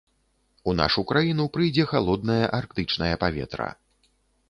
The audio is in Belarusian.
У нашу краіну прыйдзе халоднае арктычнае паветра.